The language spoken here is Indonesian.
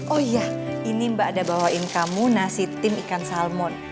oh iya ini mbak ada bawain kamu nasi tim ikan salmon